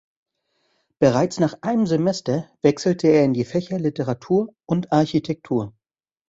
Bereits nach einem Semester wechselte er in die Fächer Literatur und Architektur.